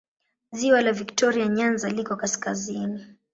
Ziwa la Viktoria Nyanza liko kaskazini.